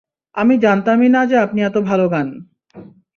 আমি জানতামই না যে আপনি এতো ভালো গান।